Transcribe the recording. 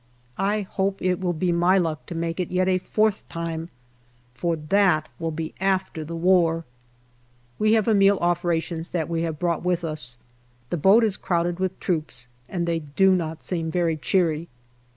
I hope it will be my luck to make it yet a fourth time, for that will be after the war. We have a meal off rations that we have brought with us. The boat is crowded with troops, and they do not seem very cheery.